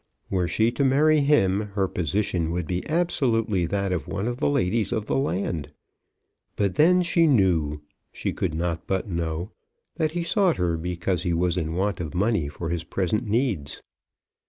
Were she to marry him her position would be absolutely that of one of the ladies of the land. But then she knew, she could not but know, that he sought her because he was in want of money for his present needs.